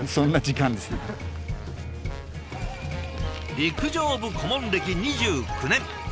陸上部顧問歴２９年。